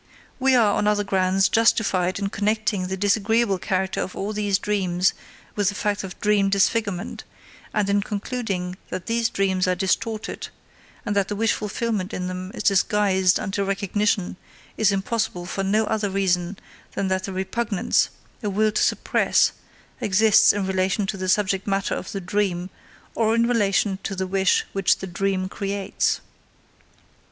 We are, on other grounds, justified in connecting the disagreeable character of all these dreams with the fact of dream disfigurement, and in concluding that these dreams are distorted, and that the wish fulfillment in them is disguised until recognition is impossible for no other reason than that a repugnance, a will to suppress, exists in relation to the subject matter of the dream or in relation to the wish which the dream creates.